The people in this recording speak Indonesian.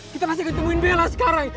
kita pasti akan ketemuin bella sekarang